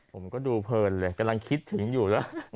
ผมก็ดูเพลินเลยกำลังคิดถึงอยู่เลย